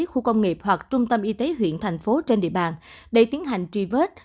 khu công nghiệp hoặc trung tâm y tế huyện thành phố trên địa bàn để tiến hành truy vết